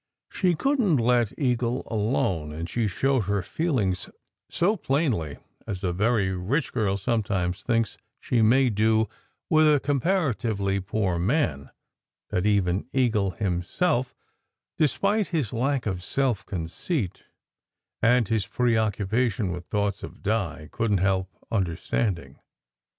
She couldn t let Eagle alone; and she showed her feelings so plainly as a very rich girl sometimes thinks she may do with a comparatively poor man that even Eagle himself, despite his lack of self conceit and his preoccupation with thoughts of Di, couldn t help understanding.